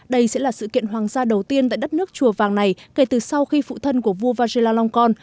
đây sẽ là sự kiện hoàng gia đầu tiên tại đất nước chùa vàng này kể từ sau khi phụ thân của vua vajiralongkorn